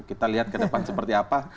kita lihat ke depan seperti apa